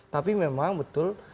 tapi memang betul